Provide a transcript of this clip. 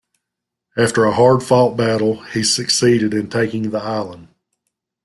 After a hard-fought battle he succeeded in taking the island.